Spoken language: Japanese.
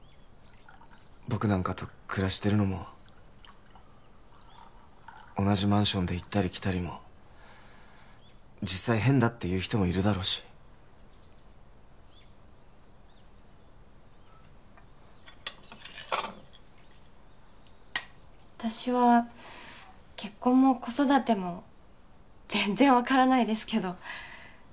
僕なんかと暮らしてるのも同じマンションで行ったり来たりも実際「変だ」って言う人もいるだろうし私は結婚も子育ても全然分からないですけど